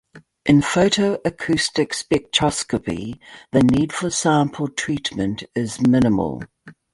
In photoacoustic spectroscopy the need for sample treatment is minimal.